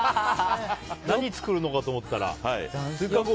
何作るのかと思ったら、スイカ氷。